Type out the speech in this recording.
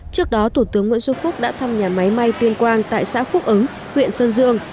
trước đó thủ tướng nguyễn xuân phúc đã thăm nhà máy may tuyên quang tại xã phúc ứng huyện sơn dương